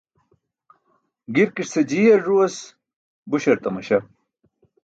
Girkise jiyar ẓuwas buśar tamaśa.